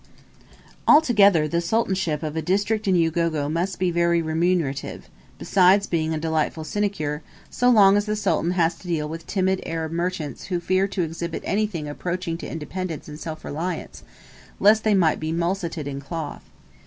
Altogether the sultanship of a district in Ugogo must be very remunerative, besides being a delightful sinecure, so long as the Sultan has to deal with timid Arab merchants who fear to exhibit anything approaching to independence and self reliance, lest they might be mulcted in cloth.